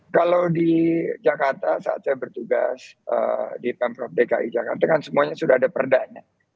kalau di jakarta saat saya bertugas di pemprov dki jakarta kan semuanya sudah ada perdanya